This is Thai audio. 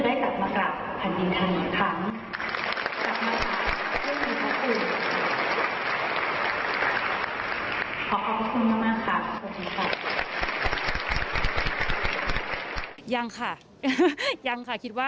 ยังค่ะยังค่ะ